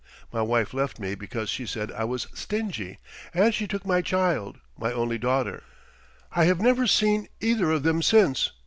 My wife left me because she said I was stingy, and she took my child my only daughter. I have never seen either of them since.